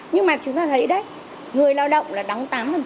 nhưng mà chúng ta thấy đấy người lao động là đóng tám